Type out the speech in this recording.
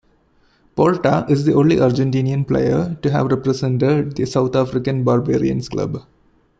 Porta is the only Argentinian player to have represented the South African Barbarians Club.